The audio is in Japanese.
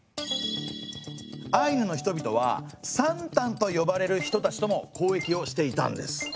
アイヌの人々はサンタンと呼ばれる人たちとも交易をしていたんです。